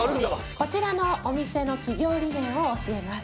こちらのお店の企業理念を教えます。